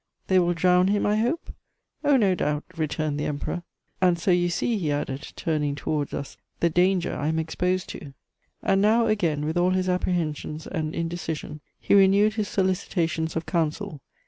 "'They will drown him, I hope?' "'Oh, no doubt,' returned the Emperor. 'And so you see,' he added, turning towards us, 'the danger I am exposed to.' [Sidenote: His fears and apprehensions.] "And now again, with all his apprehensions and indecision, he renewed his solicitations of counsel.